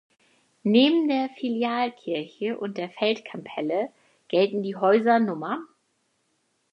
Neben der Filialkirche und der Feldkapelle gelten die Häuser Nr.